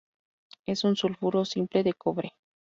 Es un sulfuro simple de cobre.